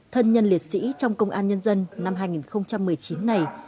thân nhân liệt sĩ trong công an nhân dân năm hai nghìn một mươi chín này